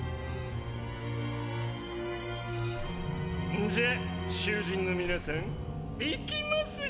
んじゃ囚人の皆さんいきますよ！